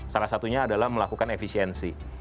salah satunya adalah melakukan efisiensi